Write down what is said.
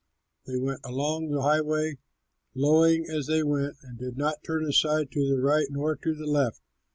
They went along the highway, lowing as they went, and did not turn aside to the right nor to the left.